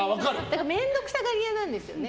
面倒くさがりやなんですよね。